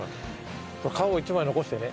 皮を１枚残してね。